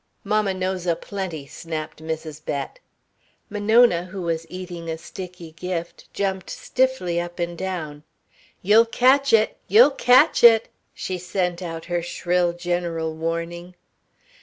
"Mamma knows a plenty," snapped Mrs. Bett. Monona, who was eating a sticky gift, jumped stiffly up and down. "You'll catch it you'll catch it!" she sent out her shrill general warning.